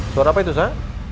suara apa itu sa